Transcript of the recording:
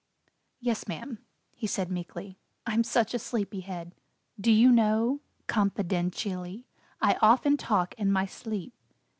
"Yes, ma'am," he said meekly; "I'm such a 'sleepy head!' Do you know," con fi den ti al ly, "I often talk in my sleep."